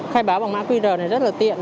khai báo bằng mã qr này rất là tiện